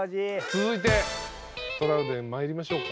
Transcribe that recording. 続いてトラウデンまいりましょうか。